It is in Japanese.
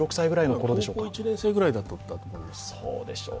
高校１年生くらいのときだと思います。